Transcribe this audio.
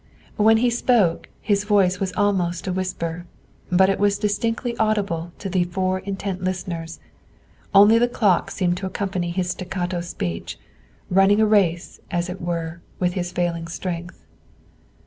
When he spoke, his voice was almost a whisper, but it was distinctly audible to the four intent listeners; only the clock seemed to accompany his staccato speech, running a race, as it were, with his failing strength.